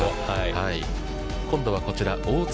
今度はこちら大槻。